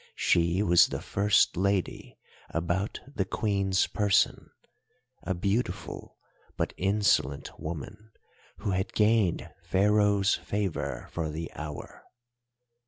She was the first lady about the Queen's person, a beautiful but insolent woman, who had gained Pharaoh's favour for the hour.